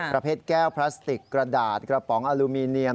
ประเภทแก้วพลาสติกกระดาษกระป๋องอลูมิเนียม